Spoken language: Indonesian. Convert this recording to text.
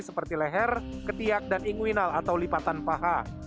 seperti leher ketiak dan inguinal atau lipatan paha